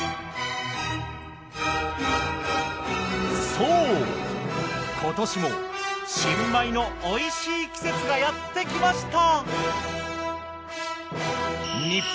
そう今年も新米のおいしい季節がやってきました。